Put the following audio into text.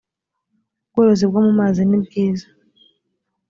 ubworozi bwo mu mazi nibwiza